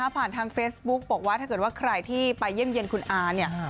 ผ่านทางเฟซบุ๊กบอกว่าถ้าเกิดว่าใครที่ไปเยี่ยมเยี่ยมคุณอาเนี่ย